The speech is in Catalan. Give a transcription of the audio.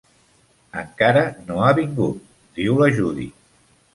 "Encara no ha vingut", diu la Judy.